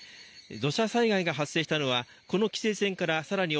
土砂災害が発生したのはこの規制線から更に奥